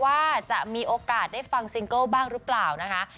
ว่าจะมีโอกาสได้ฟังซิงเกิลบ้างหรือเปล่านะคะ